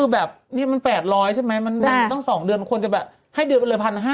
แล้วถ้าครึ่งต้องเท่าไหร่